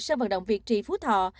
sân vận động việt trì phú thọ